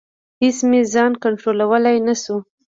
اېڅ مې ځان کنټرولولی نشو.